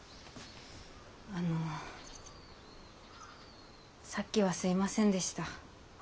あのさっきはすいませんでした。